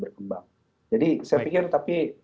berkembang jadi saya pikir tapi